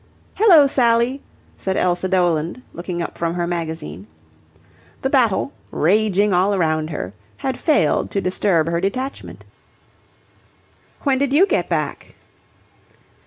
"Hello, Sally," said Elsa Doland, looking up from her magazine. The battle, raging all round her, had failed to disturb her detachment. "When did you get back?"